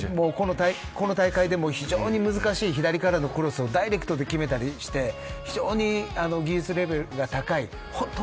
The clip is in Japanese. この大会でも非常に難しい左からのクロスをダイレクトで決めたりして非常に技術レベルの高い。